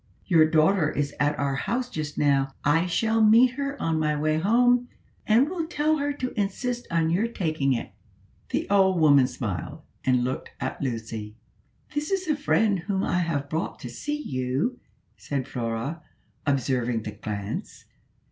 Your daughter is at our house just now: I shall meet her on my way home, and will tell her to insist on your taking it." The old woman smiled, and looked at Lucy. "This is a friend whom I have brought to see you," said Flora, observing the glance.